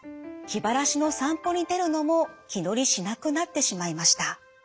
気晴らしの散歩に出るのも気乗りしなくなってしまいました。